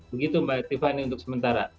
begitu mbak tiffany untuk sementara